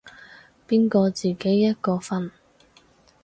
邊個自己一個瞓